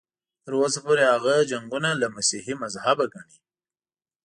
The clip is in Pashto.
تر اوسه پورې هغه جنګونه له مسیحي مذهبه ګڼي.